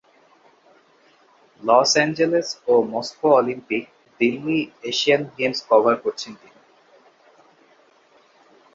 Loss Angeles Moscow Olympic, Delhi Asian Games cover করেছেন তিনি।